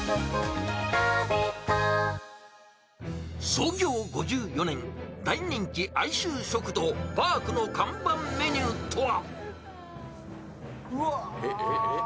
創業５４年、大人気愛愁食堂ばーくの看板メニューとは？